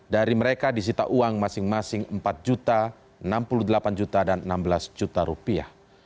dari mereka disita uang masing masing empat juta enam puluh delapan juta dan enam belas juta rupiah